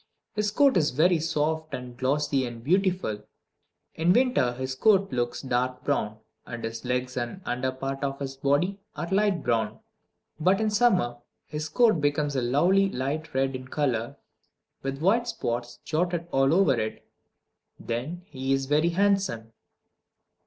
His coat is very soft and glossy and beautiful. In winter his coat looks dark brown, and his legs and the under part of his body are light brown. But in summer his coat becomes a lovely light red in color, with white spots jotted all over it. Then he is very handsome.